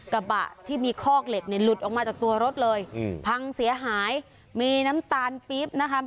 กระบะที่มีคอกเหล็กเนี่ยหลุดออกมาจากตัวรถเลยอืมพังเสียหายมีน้ำตาลปี๊บนะคะ